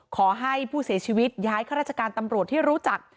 ขอให้ผู้เสียชีวิตย้ายข้าราชการตำรวจที่รู้จัก